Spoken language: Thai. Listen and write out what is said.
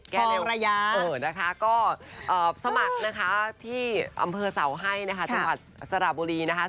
เร็วนะคะก็สมัครนะคะที่อำเภอเสาให้นะคะจังหวัดสระบุรีนะคะ